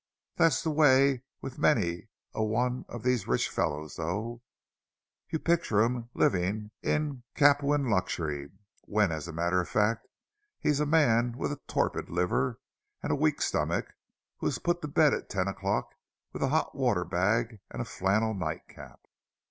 That's the way with many a one of these rich fellows, though—you picture him living in Capuan luxury, when, as a matter of fact, he's a man with a torpid liver and a weak stomach, who is put to bed at ten o'clock with a hot water bag and a flannel night cap!"